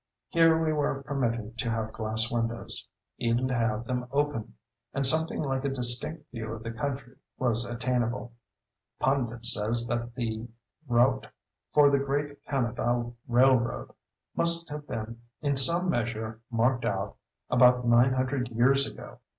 Here we were permitted to have glass windows—even to have them open—and something like a distinct view of the country was attainable.... Pundit says that the route for the great Kanadaw railroad must have been in some measure marked out about nine hundred years ago!